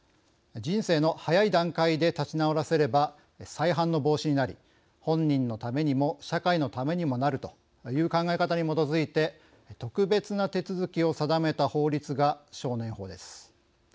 人生の早い段階で立ち直らせれば再犯の防止になり本人のためにも社会のためにもなるという考え方に基づいて特別な手続きを定めた法律が少年法です。